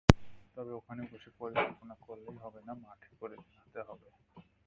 তবে ওখানে বসে পরিকল্পনা করলেই হবে না, মাঠে করে দেখাতে হবে।